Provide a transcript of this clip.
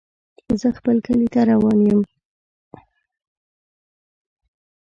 زه خپل کلي ته روان يم.